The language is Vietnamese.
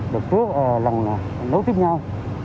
được lần nấu tiếp nhau